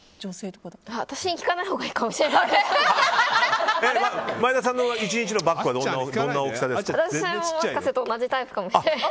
私に聞かないほうがいいかもしれない。